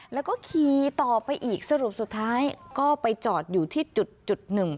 แล้วก็ขี่ต่อไปอีกสรุปสุดท้ายก็ไปจอดอยู่ที่จุดหนึ่ง